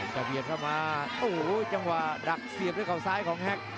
ช่างแล้วกัน